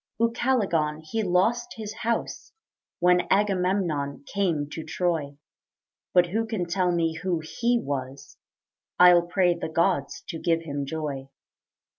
Ucalegon he lost his house When Agamemnon came to Troy; But who can tell me who he was I'll pray the gods to give him joy.